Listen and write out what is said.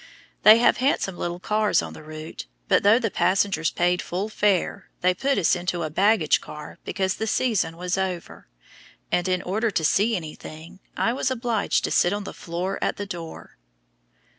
They have handsome little cars on the route, but though the passengers paid full fare, they put us into a baggage car because the season was over, and in order to see anything I was obliged to sit on the floor at the door.